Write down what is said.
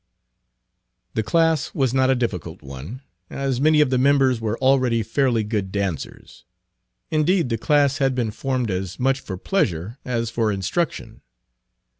The class was not a difficult one, as many of the members were already fairly good Page 39 dancers. Indeed the class had been formed as much for pleasure as for instruction.